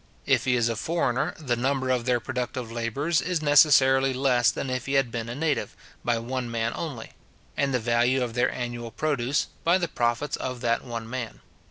If he is a foreigner, the number of their productive labourers is necessarily less than if he had been a native, by one man only; and the value of their annual produce, by the profits of that one man.